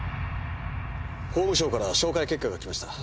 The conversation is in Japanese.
法務省から照会結果がきました。